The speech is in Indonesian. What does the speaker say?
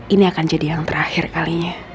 ini akan jadi yang terakhir kalinya